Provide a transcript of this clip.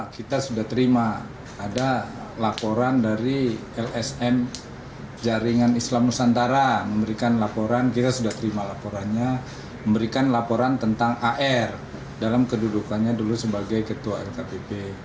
kita sudah terima ada laporan dari lsm jaringan islam nusantara memberikan laporan kita sudah terima laporannya memberikan laporan tentang ar dalam kedudukannya dulu sebagai ketua lkpp